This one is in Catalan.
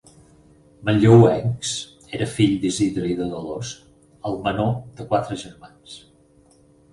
Manlleuencs, era fill d'Isidre i de Dolors, el menor de quatre germans.